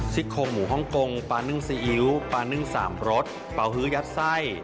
ซิดโคงหมูฮ่องกงปลาเนื่องซีอิ๊วปลาเนื่องสามรสเปาฮือยัดไส้